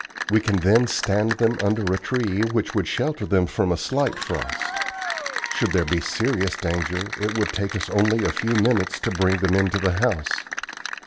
We can then stand them under a tree which would shelter them from a slight frost. Should there be serious danger it would take us only a few minutes to bring them into the house.